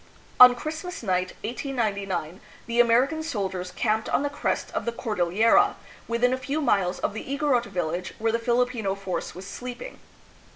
On Christmas night, 1899, the American soldiers camped on the crest of the Cordil lera, within a few miles of the Igo rot village where the Filipino force was sleeping.